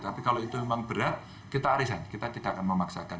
tapi kalau itu memang berat kita arisan kita tidak akan memaksakan